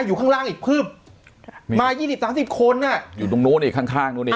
อยู่ข้างล่างอีกครึบมายี่สิบสามสิบคนอ่ะอยู่ตรงโน้นอีกข้างข้างตรงนี้